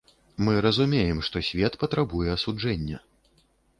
Мы разумеем, што свет патрабуе асуджэння.